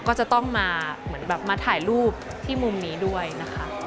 ก็จะต้องมาเหมือนแบบมาถ่ายรูปที่มุมนี้ด้วยนะคะ